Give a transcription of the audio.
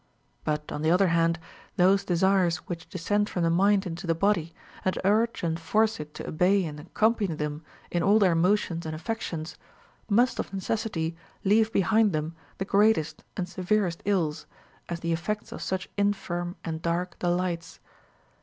But, on the other hand. EULES FOR THE PRESERVATION OF HEALTH. 257 those desires which descend from the mind into the body, and urge and force it to obey and accompany them in all their motions and affections, must of necessity leave behind them the greatest and severest ills, as the effects of such infirm and dark delii^hts.